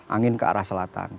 angin ke arah selatan